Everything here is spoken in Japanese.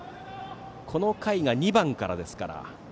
この回が２番からですから。